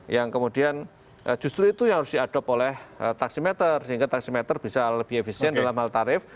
yang kemudian justru itu yang harus diadops oleh taksi meter sehingga taksi meter bisa lebih efisien dalam hal tarif